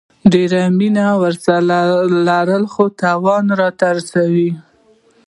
ډيره مينه ورسره لرله خو تاوان يي راته رسوو